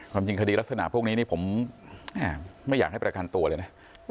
จริงคดีลักษณะพวกนี้นี่ผมไม่อยากให้ประกันตัวเลยนะ